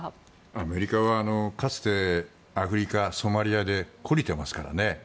アメリカはかつてアフリカ・ソマリアでこりてますからね。